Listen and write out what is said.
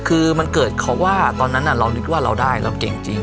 คือมันเกิดเขาว่าตอนนั้นเรานึกว่าเราได้เราเก่งจริง